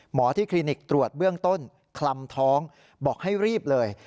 ที่คลินิกตรวจเบื้องต้นคลำท้องบอกให้รีบเลย